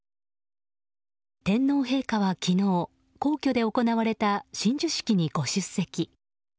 天皇陛下は昨日皇居で行われた親授式にご出席。